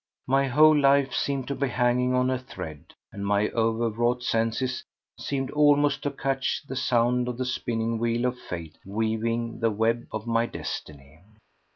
My whole life seemed to be hanging on a thread, and my overwrought senses seemed almost to catch the sound of the spinning wheel of Fate weaving the web of my destiny.